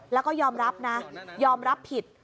แล้วก็ยอมรับนะยอมรับผิด